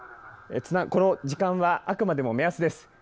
この時間はあくまでも目安です。